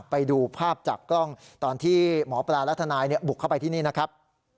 ไปดูภาพจากกล้องตอนที่หมอปลาและทนายบุกเข้าไปที่นี่นะครับ